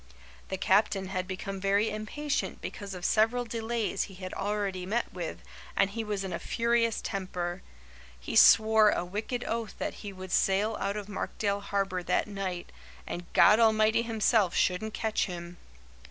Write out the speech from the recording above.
The captain had become very impatient because of several delays he had already met with, and he was in a furious temper. He swore a wicked oath that he would sail out of Markdale Harbour that night and 'God Almighty Himself shouldn't catch him.